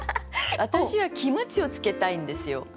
私はキムチを漬けたいんですよ。